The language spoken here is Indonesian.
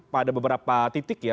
pada beberapa titik ya